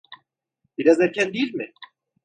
Biraz erken değil mi?